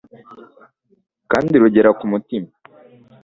kandi rungera ku mutima.